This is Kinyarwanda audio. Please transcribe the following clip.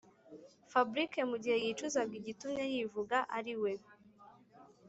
fabric mugihe yicuzaga igitumye yivuga ariwe